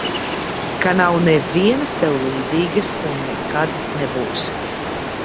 Ka nav nevienas tev līdzīgas un nekad nebūs.